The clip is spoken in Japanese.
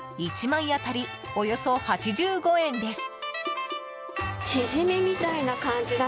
１枚当たり、およそ８５円です。